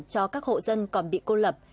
cho các hộ dân còn bị cô lập